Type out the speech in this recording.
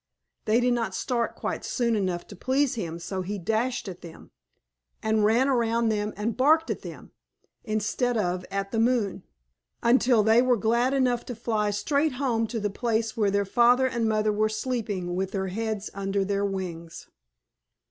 They did not start quite soon enough to please him, so he dashed at them, and ran around them and barked at them, instead of at the moon, until they were glad enough to fly straight home to the place where their father and mother were sleeping with their heads under their wings.